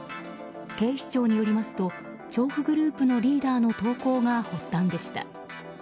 警視庁によりますと調布グループのリーダーの投稿が発端でした。